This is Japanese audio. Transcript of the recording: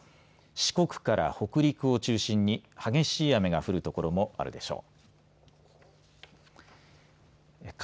四国から北陸を中心に激しい雨が降るところもあるでしょう。